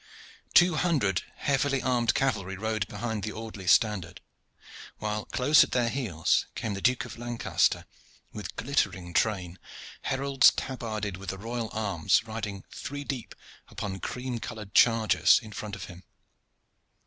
Two hundred heavily armed cavalry rode behind the Audley standard, while close at their heels came the Duke of Lancaster with a glittering train, heralds tabarded with the royal arms riding three deep upon cream colored chargers in front of him.